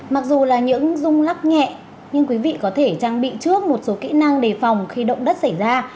mặc dù là những rung lắc nhẹ nhưng quý vị có thể trang bị trước một số kỹ năng đề phòng khi động đất xảy ra